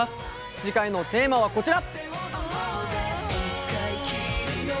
次回のテーマはこちら。